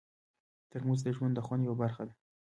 ترموز د ژوند د خوند یوه برخه ده.